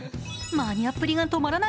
マニアっぷりが止まらない